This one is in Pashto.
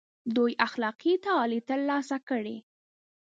دوی اخلاقي تعالي تر لاسه کړي.